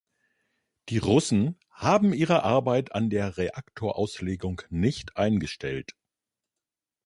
Die Russen haben ihre Arbeit an der Reaktorauslegung nicht eingestellt.